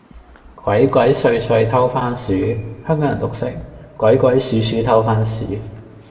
鬼鬼祟祟偷番薯，香港人讀成，鬼鬼鼠鼠偷番薯